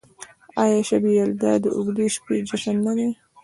آیا شب یلدا د اوږدې شپې جشن نه دی؟